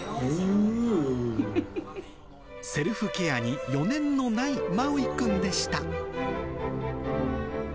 セルフケアに余念のない、マウイくんでした。